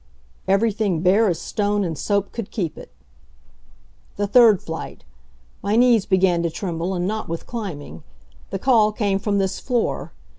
Everything bare as stone and soap could keep it. The third flight my knees began to tremble, and not with climbing. The call came from this floor.